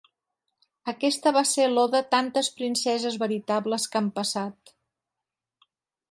Aquesta va ser l'Oda "tantes princeses veritables que han passat".